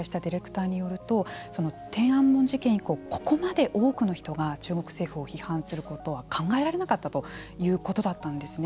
今回番組で取材したディレクターによると天安門事件以降ここまで多くの人が中国政府を批判することは考えられなかったということだったんですね。